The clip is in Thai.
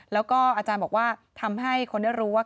แล้วก็อาจารย์บอกว่าทำให้คนได้รู้ว่า